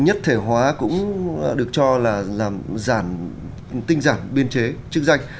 nhất thể hóa cũng được cho là làm giảm tinh giản biên chế chức danh